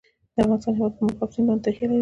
د افغانستان هیواد په مورغاب سیند باندې تکیه لري.